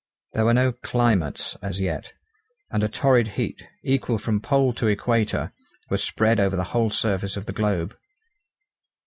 There were no 'climates' as yet, and a torrid heat, equal from pole to equator, was spread over the whole surface of the globe.